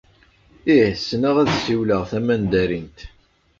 Ih. Ssneɣ ad ssiwleɣ tamandarint.